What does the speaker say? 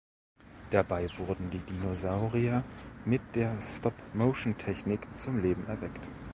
Dabei wurden die Dinosaurier mit der Stop-Motion-Technik zum Leben erweckt.